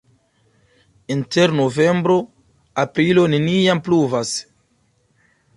Inter novembro-aprilo neniam pluvas.